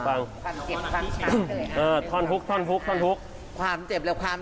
ฟังกลี๊ดที่ชาย